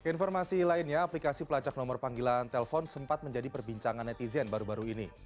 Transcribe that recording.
keinformasi lainnya aplikasi pelacak nomor panggilan telpon sempat menjadi perbincangan netizen baru baru ini